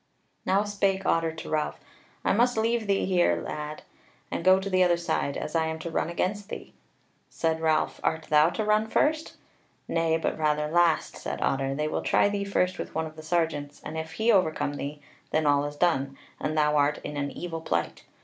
Now spake Otter to Ralph: "I must leave thee here, lad, and go to the other side, as I am to run against thee." Said Ralph: "Art thou to run first?" "Nay, but rather last," said Otter; "they will try thee first with one of the sergeants, and if he overcome thee, then all is done, and thou art in an evil plight.